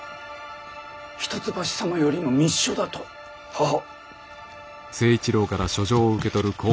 一橋様よりの密書だと？ははっ。